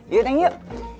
yuk neng yuk